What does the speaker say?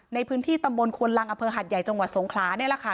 ในพื้นที่ตำบลควนลังอำเภอหัดใหญ่จังหวัดสงขลานี่แหละค่ะ